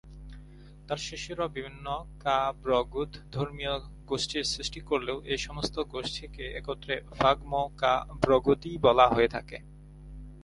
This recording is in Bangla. তার শিষ্যরা বিভিন্ন ব্কা'-ব্র্গ্যুদ ধর্মীয় গোষ্ঠীর সৃষ্টি করলেও এই সমস্ত গোষ্ঠীকে একত্রে ফাগ-মো-ব্কা'-ব্র্গ্যুদই বলা হয়ে থাকে।